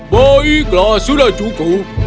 baiklah sudah cukup